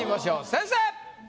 先生！